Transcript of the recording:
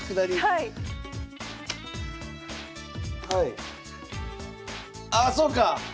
はいああそうか！